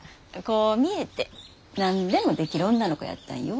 こう見えて何でもできる女の子やったんよ。